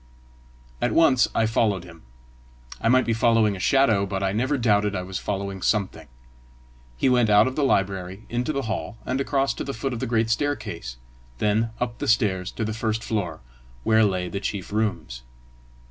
At once I followed him: I might be following a shadow, but I never doubted I was following something. He went out of the library into the hall, and across to the foot of the great staircase, then up the stairs to the first floor, where lay the chief rooms.